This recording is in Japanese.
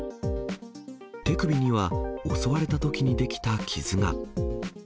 手首には、襲われたときに出来た傷が。